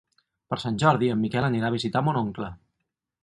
Per Sant Jordi en Miquel anirà a visitar mon oncle.